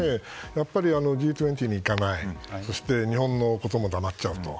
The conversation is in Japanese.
やっぱりＧ２０に行かないそして、日本のことも黙っちゃうと。